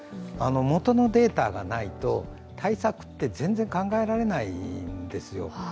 元のデータがないと、対策って全然考えられないんですよ。